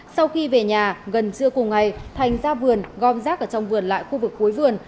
sau khi về nhà gần trưa cùng ngày thành ra vườn gom rác ở trong vườn lại khu vực cuối vườn